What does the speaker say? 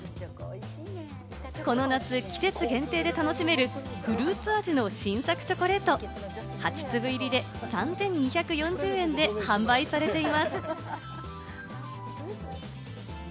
この夏、季節限定で楽しめるフルーツ味の新作チョコレート、８粒入りで３２４０円で販売されています。